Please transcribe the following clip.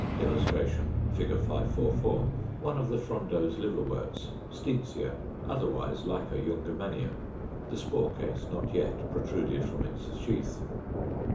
] [Illustration: Fig. 544. One of the frondose Liverworts, Steetzia, otherwise like a Jungermannia; the spore case not yet protruded from its sheath.